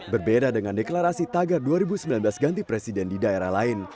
berbeda dengan deklarasi tagar dua ribu sembilan belas ganti presiden di daerah lain